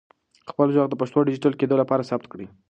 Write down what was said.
خپل ږغ د پښتو د ډیجیټل کېدو لپاره ثبت کړئ.